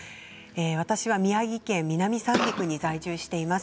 私は宮城県南三陸に在住しています。